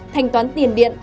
thanh toán tiền điện